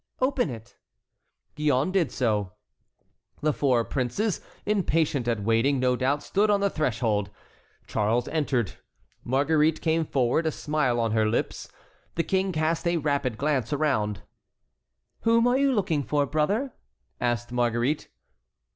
"Open it." Gillonne did so. The four princes, impatient at waiting, no doubt, stood on the threshold. Charles entered. Marguerite came forward, a smile on her lips. The King cast a rapid glance around. "Whom are you looking for, brother?" asked Marguerite.